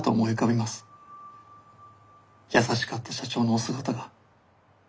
優しかった社長のお姿が。